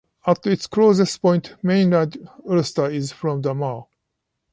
At its closest point, mainland Ulster is from the Mull.